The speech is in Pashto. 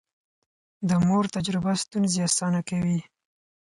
د مور تجربه ستونزې اسانه کوي.